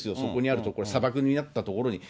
そこにある砂漠になった所に。